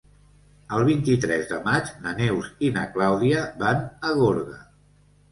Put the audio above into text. El vint-i-tres de maig na Neus i na Clàudia van a Gorga.